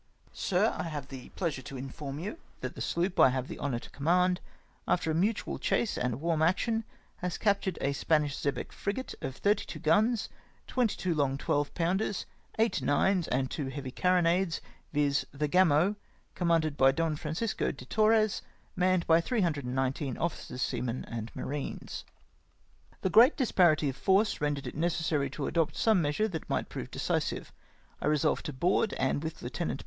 Sir,— I have the pleasure to inform you, that the sloop I have the honour to command, after a mutual chase and warm action, has captured a Spanish xebec frigate of 32 guns, 22 long 12 pounders, 8 nines, and 2 heavy carronades. OFFICIAL DESPATCH. 117 viz. the Gamo, commanded by Don Francisco de Torres, manned by 319 officers, seamen, and marines. " The great disparity of force rendered it necessary to adopt some measure that might prove decisive. I resolved to board, and with Lieut.